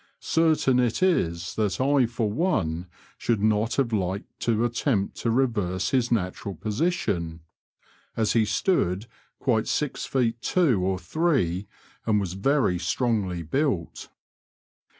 Certain it is that I for one should not have liked to attempt to reverse his natural position, as he stood quite six feet two or three, and was very strongly built.